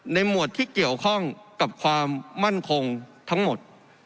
หมวดที่เกี่ยวข้องกับความมั่นคงทั้งหมด